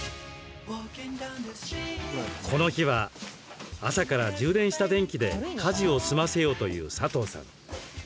この日は朝から充電した電気で家事を済ませようというサトウさん。